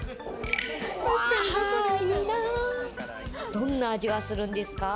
どんな味がするんですか？